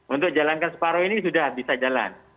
untuk jalankan separoh ini sudah bisa jalan